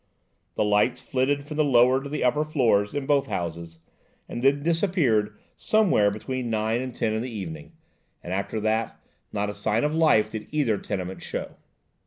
The lights flitted from the lower to the upper floors in both houses, and then disappeared somewhere between nine and ten in the evening; and after that, not a sign of life did either tenement show.